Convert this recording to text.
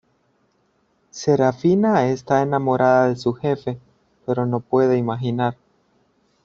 Serafina está enamorada de su jefe, pero no puede imaginar.